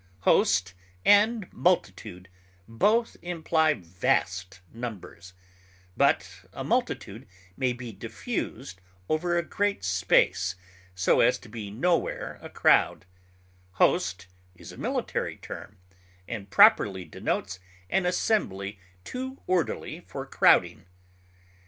Host and multitude both imply vast numbers, but a multitude may be diffused over a great space so as to be nowhere a crowd; host is a military term, and properly denotes an assembly too orderly for crowding.